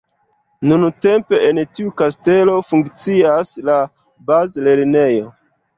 Nuntempe en tiu kastelo funkcias la bazlernejo.